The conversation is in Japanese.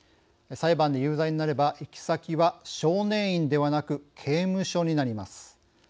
裁判で有罪になれば行き先は少年院ではなく刑務所になります。